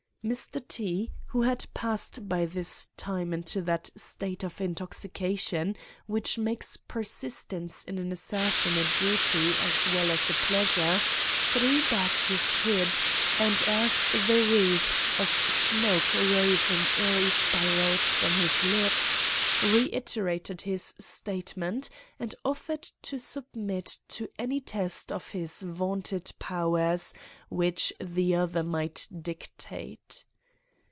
"Mr. T——, who had passed by this time into that state of intoxication which makes persistence in an assertion a duty as well as a pleasure, threw back his head, and as the wreaths of smoke rose in airy spirals from his lips, reiterated his statement, and offered to submit to any test of his vaunted powers which the other might dictate.